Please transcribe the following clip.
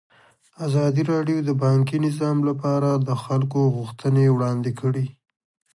ازادي راډیو د بانکي نظام لپاره د خلکو غوښتنې وړاندې کړي.